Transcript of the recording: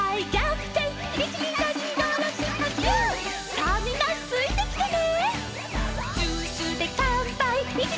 さあみんなついてきてね。